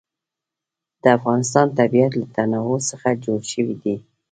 د افغانستان طبیعت له تنوع څخه جوړ شوی دی.